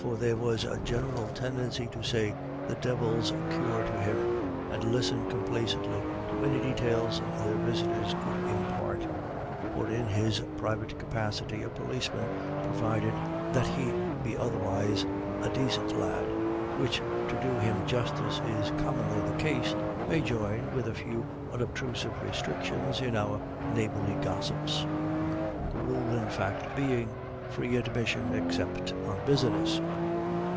So there was a general tendency to say, "The divil's cure to him," and listen complacently to any details their visitors could impart. For in his private capacity a policeman, provided that he be otherwise "a dacint lad," which to do him justice is commonly the case, may join, with a few unobtrusive restrictions, in our neighborly gossips; the rule in fact being Free admission except on business.